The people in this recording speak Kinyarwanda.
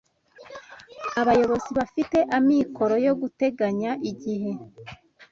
Abayobozi bafite amikoro yo guteganya igihe